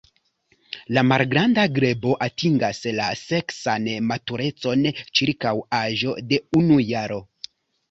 La Malgranda grebo atingas la seksan maturecon ĉirkaŭ aĝo de unu jaro.